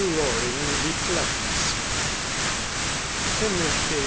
LORING REFLECTS Henry K.